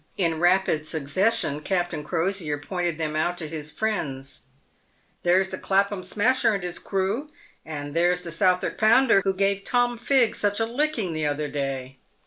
In rapid succession Captain Crosier pointed them out to his friends :" There's the ' Clapham Smasher' and his crew, and there's the * Southwark Pounder,' who gave Tom Fig such a licking the other day."